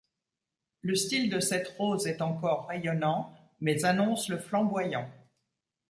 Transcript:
Le style de cette rose est encore rayonnant, mais annonce le flamboyant.